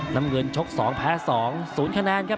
น้ำเงินชก๒แพ้๒๐คะแนนครับ